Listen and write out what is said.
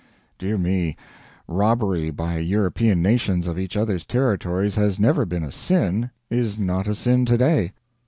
Dear me, robbery by European nations of each other's territories has never been a sin, is not a sin to day.